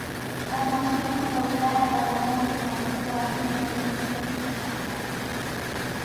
Halmashauri ya Wilaya ya Bagamoyo ina ukubwa wa eneo lenye kilometa za mraba